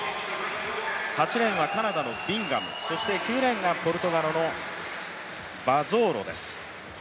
８レーンはカナダのビンガム、そして９レーンがポルトガルのバゾーロです。